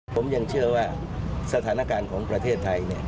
ผมยังเชื่อว่าสถานการณ์ของประเทศไทย